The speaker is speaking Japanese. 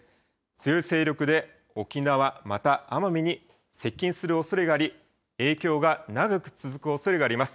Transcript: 強い勢力で沖縄、また奄美に接近するおそれがあり、影響が長く続くおそれがあります。